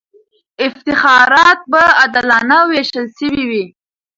افتخارات به عادلانه وېشل سوي وي.